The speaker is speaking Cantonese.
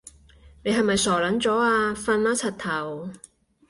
你係咪傻撚咗啊？瞓啦柒頭